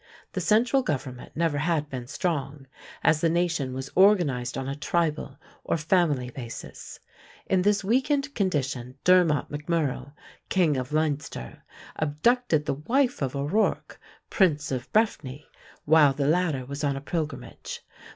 The central government never had been strong, as the nation was organized on a tribal or family basis. In this weakened condition Dermot MacMurrough, king of Leinster, abducted the wife of O'Rourke, prince of Breffni, while the latter was on a pilgrimage.